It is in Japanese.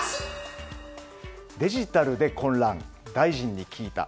デジタルで混乱、大臣に聞いた。